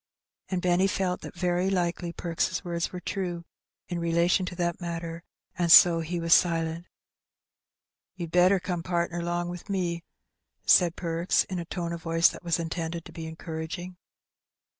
And Benny felt that very likely Perks' words were true in relation to that matter, and so he was silent. ''You'd better come partner 'long wi' me," said Perks, in a tone of voice that was intended to be encouraging.